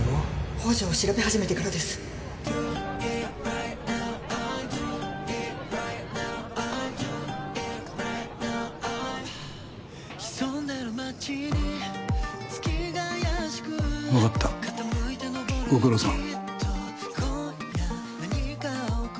宝条を調べ始めてからです分かったご苦労さん